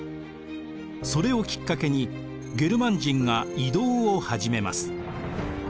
それをきっかけにゲルマン人が移動を始めます。